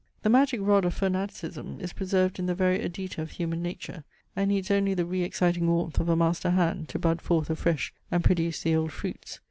The magic rod of fanaticism is preserved in the very adyta of human nature; and needs only the re exciting warmth of a master hand to bud forth afresh and produce the old fruits.